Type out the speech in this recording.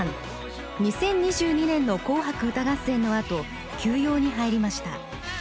２０２２年の「紅白歌合戦」のあと休養に入りました。